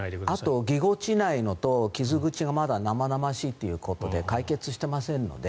あと、ぎこちないのと傷口がまだ生々しいということで解決してませんので。